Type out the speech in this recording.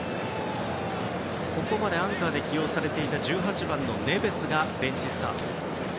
ここまでアンカーで起用されていた１８番のネベスがベンチスタート。